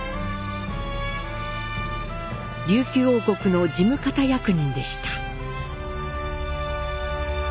琉球王国の事務方役人でした。